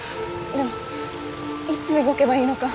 でもいつ動けばいいのか。